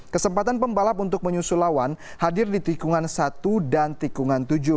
kesempatan pembalap untuk menyusul lawan hadir di tikungan satu dan tikungan tujuh